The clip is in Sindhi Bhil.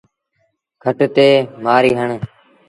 کٽ تي مهآري هڻ۔